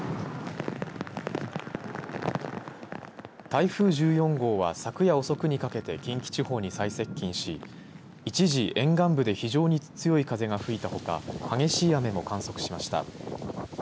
台風１４号は、昨夜遅くにかけて近畿地方に最接近し一時、沿岸部で非常に強い風が吹いたほか激しい雨も観測しました。